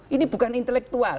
ini bukan intelektual